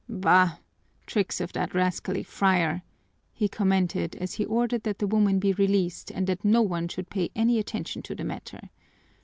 "Bah! Tricks of that rascally friar," he commented, as he ordered that the woman be released and that no one should pay any attention to the matter.